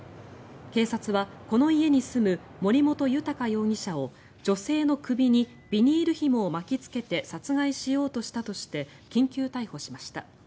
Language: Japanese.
警察はこの家に住む森本裕容疑者を女性の首にビニールひもを巻きつけて殺害しようとしたとして緊急逮捕しました。